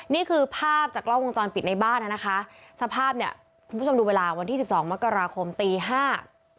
นี่คือภาพจากกล้องวงจรปิดในบ้านอ่ะนะคะสภาพเนี่ยคุณผู้ชมดูเวลาวันที่สิบสองมกราคมตีห้า